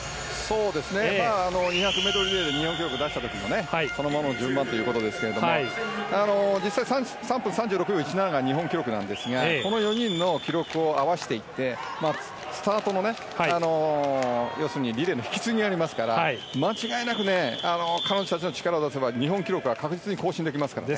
２００ｍリレーで日本記録を出した時にもそのままの順番ということですけど実際、３分３６秒１７が日本記録なんですがこの４人の記録を合わしていってスタート、リレーの引き継ぎがありますから間違いなく彼女たちの力を出せば日本記録は必ず更新できますからね。